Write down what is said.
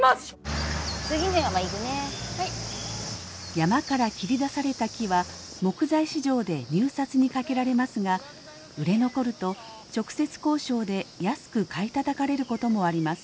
山から切り出された木は木材市場で入札にかけられますが売れ残ると直接交渉で安く買いたたかれることもあります。